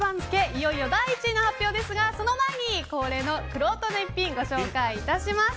いよいよ第１位の発表ですがその前に、恒例のくろうとの逸品ご紹介いたします。